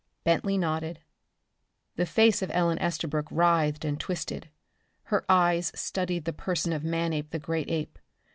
Bentley nodded. The face of Ellen Estabrook writhed and twisted. Her eyes studied the person of Manape the great ape.